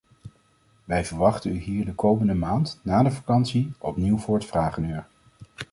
Wij verwachten u hier de komende maand, na de vakantie, opnieuw voor het vragenuur.